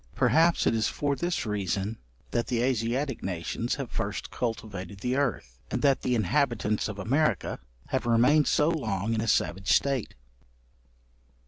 Perhaps it is for this reason, that the Asiatic nations have first cultivated the earth, and that the inhabitants of America have remained so long in a savage state.